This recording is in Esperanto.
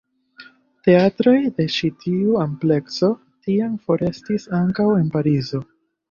Teatroj de ĉi tiu amplekso tiam forestis ankaŭ en Parizo.